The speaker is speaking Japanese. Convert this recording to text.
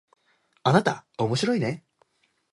あなたおもしろいね